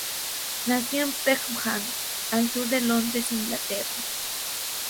Nació en Peckham, al sur de Londres, Inglaterra.